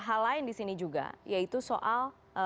hal lain di sini juga yaitu soal